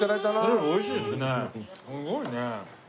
すごいね。